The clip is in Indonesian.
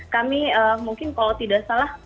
kami mungkin kalau tidak salah